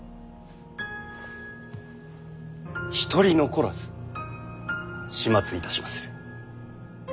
一人残らず始末いたしまする。